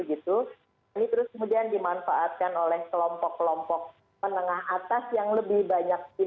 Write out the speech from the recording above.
ini terus kemudian dimanfaatkan oleh kelompok kelompok menengah atas yang lebih banyak